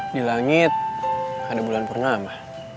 di langit ada bulan purnama